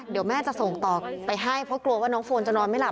เดี๋ยวแม่จะส่งต่อไปให้เพราะกลัวว่าน้องโฟนจะนอนไม่หลับ